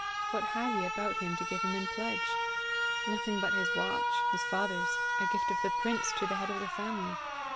What had he about him to give him in pledge? Nothing but his watch, his father's, a gift of THE PRINCE to the head of the family!